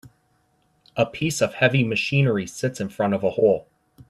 A piece of heavy machinery sits in front of a hole.